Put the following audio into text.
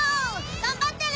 頑張ってね！